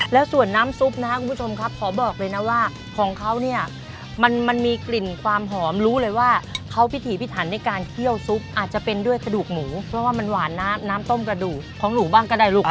แล้วส่วนน้ำซุปนะครับคุณผู้ชมครับขอบอกเลยนะว่าของเขาเนี่ยมันมีกลิ่นความหอมรู้เลยว่าเขาพิถีพิถันในการเคี่ยวซุปอาจจะเป็นด้วยกระดูกหมูเพราะว่ามันหวานน้ำน้ำต้มกระดูกของหนูบ้างก็ได้ลูก